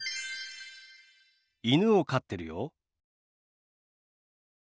犬を飼ってるよ。